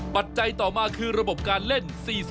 ปัจจัยต่อมาคือระบบการเล่น๔๐